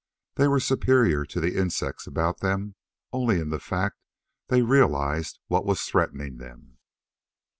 They were superior to the insects about them only in the fact they realized what was threatening them.